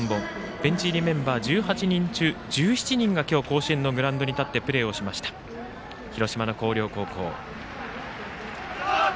ベンチ入りメンバー１８人中１７人が、今日甲子園のグラウンドに立ってプレーをしました広島の広陵高校。